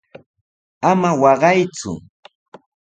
¡Ama waqayku!